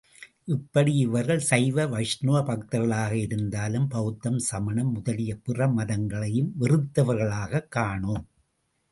இப்படி இவர்கள் சைவ வைஷ்ணவ பக்தர்களாக இருந்தாலும், பௌத்தம், சமணம் முதலிய பிற மதங்களையும் வெறுத்தவர்களாகக் காணோம்.